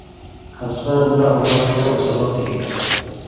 ہسان نحوۡ مہ ڇَیوں سبق ای گا